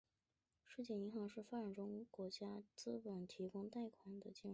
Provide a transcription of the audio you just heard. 世界银行是为发展中国家资本项目提供贷款的联合国系统国际金融机构。